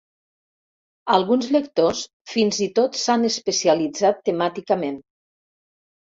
Alguns lectors fins i tot s'han especialitzat temàticament.